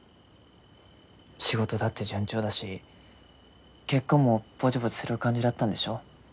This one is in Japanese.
仕事だって順調だし結婚もぼちぼちする感じだったんでしょ？